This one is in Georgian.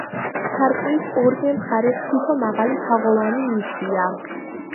სარკმლის ორივე მხარეს თითო მაღალი თაღოვანი ნიშია.